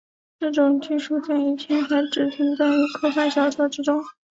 这种技术在以前还只存在于科幻小说之中。